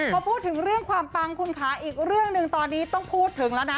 พอพูดถึงเรื่องความปังคุณค่ะอีกเรื่องหนึ่งตอนนี้ต้องพูดถึงแล้วนะ